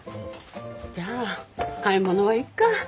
じゃあ買い物はいっか。